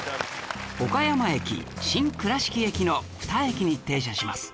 岡山駅新倉敷駅の２駅に停車します